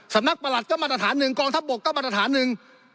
ประหลัดก็มาตรฐานหนึ่งกองทัพบกก็มาตรฐานหนึ่ง